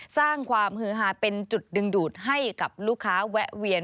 สร้างความฮือฮาเป็นจุดดึงดูดให้กับลูกค้าแวะเวียน